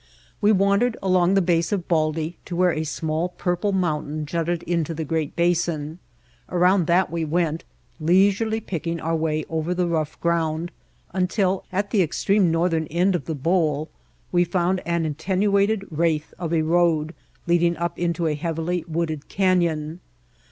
We wandered along the base of Baldy to where a small, purple mountain jutted into the great basin. Around that we went, leisurely picking our way over the rough ground until at the extreme northern end of the bowl we found an attenuated wraith of a road leading up into a heavily wooded canyon.